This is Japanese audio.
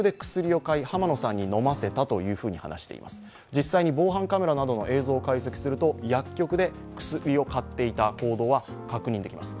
実際に防犯カメラなどの映像から薬を買っていた行動は確認できます。